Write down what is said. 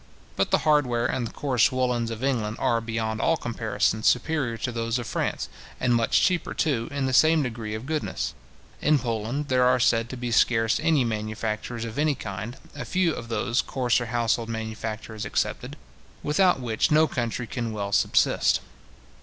But the hardware and the coarse woollens of England are beyond all comparison superior to those of France, and much cheaper, too, in the same degree of goodness. In Poland there are said to be scarce any manufactures of any kind, a few of those coarser household manufactures excepted, without which no country can well subsist.